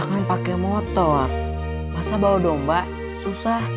jadi lelaki jangan terlalu baper atuya